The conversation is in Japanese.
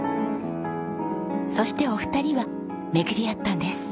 そしてお二人は巡り会ったんです。